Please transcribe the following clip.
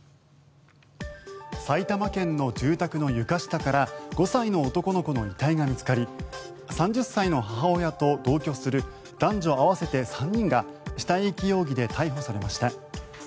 埼玉県の住宅の床下から５歳の男の子の遺体が見つかり３０歳の母親と同居する男女合わせて３人が死体遺棄容疑で逮捕されました。